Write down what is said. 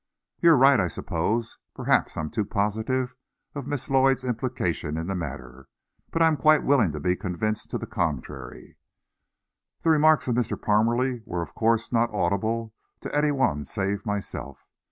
"You're right, I suppose. Perhaps I am too positive of Miss Lloyd's implication in the matter, but I'm quite willing to be convinced to the contrary." The remarks of Mr. Parmalee were of course not audible to any one save myself.